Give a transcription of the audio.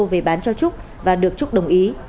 về bán cho trúc và được trúc đồng ý